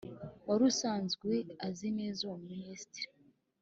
wari usanzwe azi neza uwo muminisititri